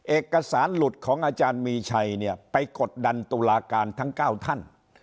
เอกสารหลุดของอาจารย์มีชัยเนี่ยไปกดดันตุลาการทั้ง๙ท่าน